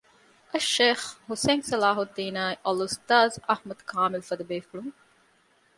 އައްޝައިޚް ޙުސައިން ޞަލާޙުއްދީނާއި އަލްއުސްތާޛް އަޙްމަދު ކާމިލުފަދަ ބޭފުޅުން